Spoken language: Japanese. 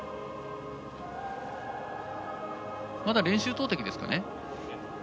まだ練習投てきですかね。